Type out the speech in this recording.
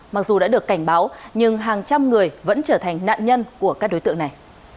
mặc dù đã được cảnh báo nhưng hàng trăm người vẫn trở thành nạn nhân của các đối tượng này